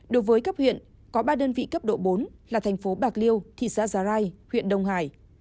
đối với cấp huyện có ba đơn vị cấp độ bốn là thành phố bạc liêu thị xã giá rai huyện đông hải